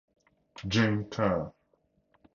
Jane Ker.